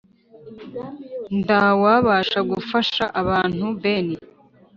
Nda wabashha gufasha abantu ben